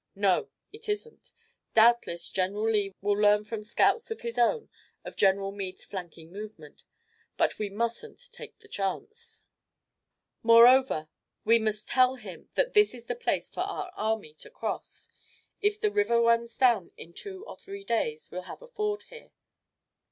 "No, it isn't. Doubtless General Lee will learn from scouts of his own of General Meade's flanking movement, but we mustn't take the chance. Moreover, we must tell him that this is the place for our army to cross. If the river runs down in two or three days we'll have a ford here."